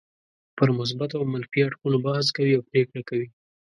پر مثبتو او منفي اړخونو بحث کوي او پرېکړه کوي.